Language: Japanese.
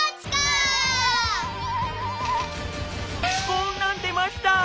こんなんでました。